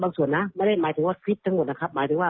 ส่วนนะไม่ได้หมายถึงว่าคลิปทั้งหมดนะครับหมายถึงว่า